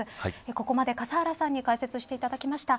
ここまで、笠原さんに解説していただきました。